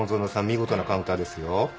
見事なカウンターですよ。